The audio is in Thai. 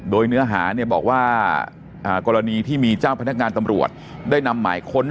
โดยเนื้อหาเนี่ยบอกว่ากรณีที่มีเจ้าพนักงานตำรวจได้นำหมายค้น